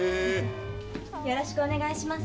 「よろしくお願いします」